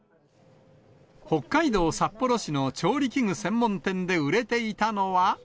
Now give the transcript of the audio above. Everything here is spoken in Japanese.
北海道札幌市の調理器具専門店で売れていたのは。